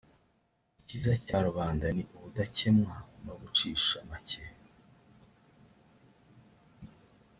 icyiza cya rubanda ni ubudakemwa no gucisha make